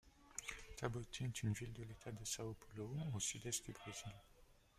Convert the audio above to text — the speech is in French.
Taubaté est une ville de l'État de Saõ Paulo, au sud-est du Brésil.